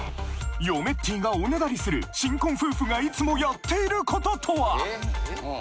嫁ってぃがおねだりする新婚夫婦がいつもやっている事とは？